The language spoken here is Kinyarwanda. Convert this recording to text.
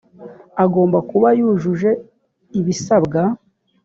agomba kuba yujuje ibisabwa